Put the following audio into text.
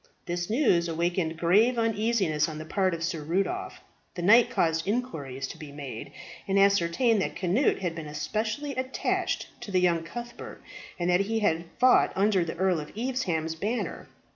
This news awakened grave uneasiness on the part of Sir Rudolph. The knight caused inquiries to be made, and ascertained that Cnut had been especially attached to the young Cuthbert, and that he had fought under the Earl of Evesham's banner.